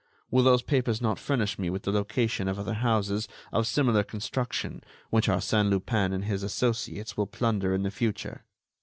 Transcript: Will those papers not furnish me with the location of other houses of similar construction which Arsène Lupin and his associates will plunder in the future?